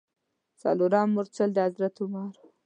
څلورم مورچل د حضرت عمر و.